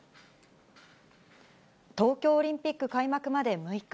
東京オリンピック開幕まで６日。